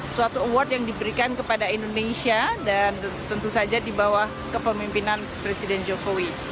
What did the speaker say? suatu award yang diberikan kepada indonesia dan tentu saja di bawah kepemimpinan presiden jokowi